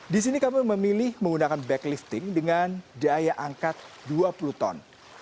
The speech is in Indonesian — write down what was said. di sini kami memilih menggunakan back lifting dengan daya angkat dua puluh ton